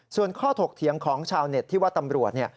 ส่วนข้อถกเถียงของชาวเน็ตที่ว่าตำรวจเนี่ย